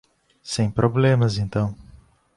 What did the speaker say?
Sem problemas então.